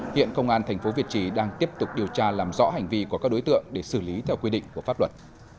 hiện công an tp việt trì đang tiếp tục điều tra làm rõ hành vi của các đối tượng để xử lý theo quy định của pháp luật